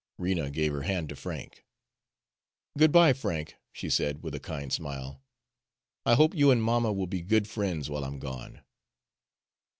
Rena gave her hand to Frank. "Good by, Frank," she said, with a kind smile; "I hope you and mamma will be good friends while I'm gone."